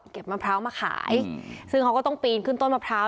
มะพร้าวมาขายซึ่งเขาก็ต้องปีนขึ้นต้นมะพร้าว